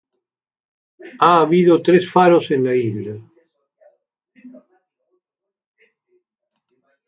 Ha habido tres faros en la isla.